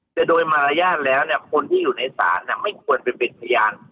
แต่โดยมารยาทแล้วคนที่อยู่ในศาลไม่ควรไปเป็นพยาน